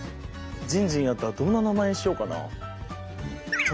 じんじんやったらどんな名前にしようかなあ？